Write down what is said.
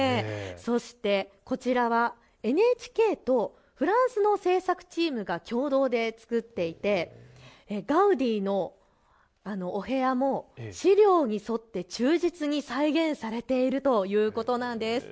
そしてこちらはＮＨＫとフランスの制作チームが共同で作っていて、ガウディのお部屋も資料に沿って忠実に再現されているということなんです。